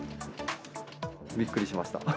びっくりしました。